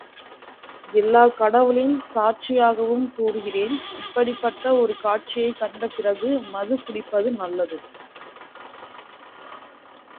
எல்லாக் கடவுள்களின் சாட்சியாகவும் கூறுகிறேன், இப்படிப்பட்ட ஒரு காட்சியைக் கண்ட பிறகு மது குடிப்பது நல்லது.